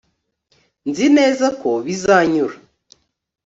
nzi neza ko bizanyura